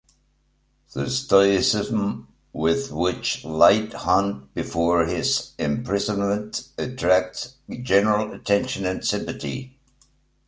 The stoicism with which Leigh Hunt bore his imprisonment attracted general attention and sympathy.